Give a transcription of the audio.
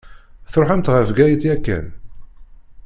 Tṛuḥemt ɣer Bgayet yakan?